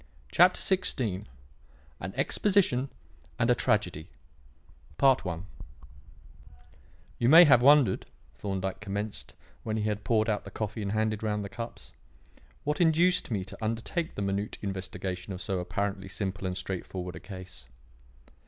Chapter XVI An Exposition and a Tragedy "You may have wondered," Thorndyke commenced, when he had poured out the coffee and handed round the cups, "what induced me to undertake the minute investigation of so apparently simple and straightforward a case.